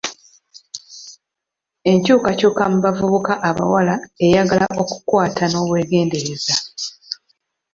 Enkyukakyuka mu bavubuka abawala eyagala okukwata n'obwegendereza.